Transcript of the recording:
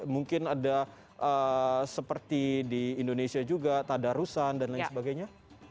mungkin ada seperti di indonesia juga tadarusan dan lain sebagainya